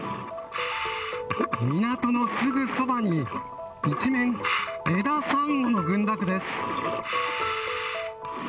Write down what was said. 港のすぐそばに、一面、エダサンゴの群落です。